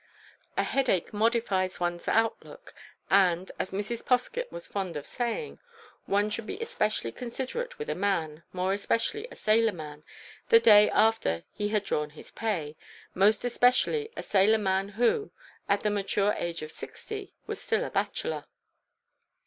A headache modifies one's outlook, and, as Mrs. Poskett was fond of saying, one should be especially considerate with a man, more especially a sailor man, the day after he had drawn his pay—most especially a sailor man who, at the mature age of sixty, was still a bachelor.